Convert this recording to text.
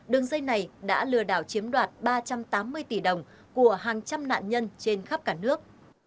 đường dây này đã lừa đảo chiếm đoạt ba trăm tám mươi tỷ đồng của hàng trăm nạn nhân trên khắp cả nước